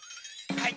はい。